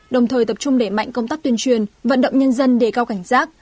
đồng thời tập trung để mạnh công tác tuyên truyền vận động nhân dân đề cao cảnh giác